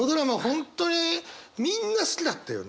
本当にみんな好きだったよね。